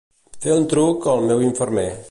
Fer un truc al meu infermer.